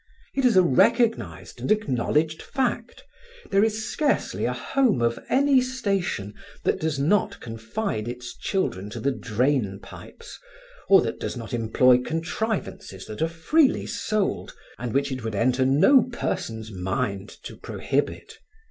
It is a recognized and acknowledged fact. There is scarcely a home of any station that does not confide its children to the drain pipes, or that does not employ contrivances that are freely sold, and which it would enter no person's mind to prohibit.